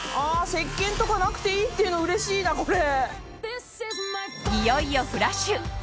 石鹸とかなくていいっていうのうれしいなこれ。